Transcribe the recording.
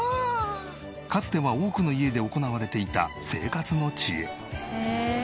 かつては多くの家で行われていた生活の知恵。